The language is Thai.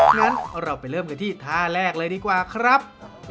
งั้นเราไปเริ่มกันที่ท่าแรกเลยดีกว่าครับ